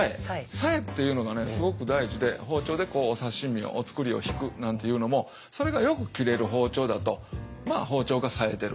冴えっていうのがすごく大事で包丁でお刺身をお造りをひくなんていうのもそれがよく切れる包丁だと包丁が冴えてる。